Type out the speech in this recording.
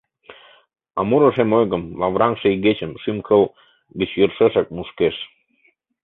А муро шем ойгым, Лавраҥше игечым Шӱм-кыл гыч йӧршешак мушкеш.